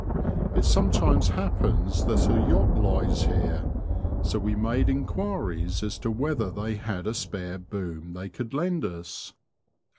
It sometimes happens that a yacht lies here, so we made enquiries as to whether they had a spare boom they could lend us.